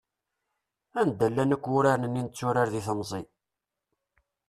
Anda llan akk wuraren-nni i netturar di temẓi?